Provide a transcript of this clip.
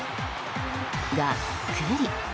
がっくり。